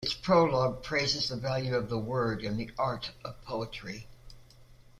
Its prologue praises the value of the word and the art of poetry.